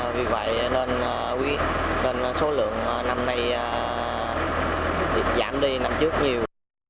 vì vậy nên số lượng năm nay giảm đi năm trước nhiều